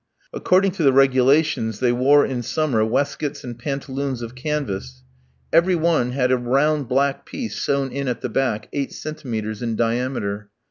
(According to the regulations, they wore in summer waistcoats and pantaloons of canvas. Every one had a round black piece sown in at the back, eight centimetres in diameter.)